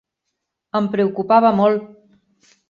Em preocupava molt.